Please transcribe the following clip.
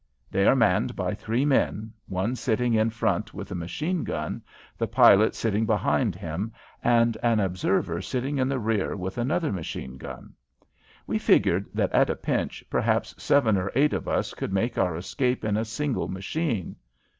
They are manned by three men, one sitting in front with a machine gun, the pilot sitting behind him, and an observer sitting in the rear with another machine gun. We figured that at a pinch perhaps seven or eight of us could make our escape in a single machine.